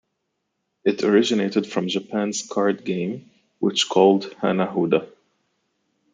It originated from Japan's card game which called Hanahuda.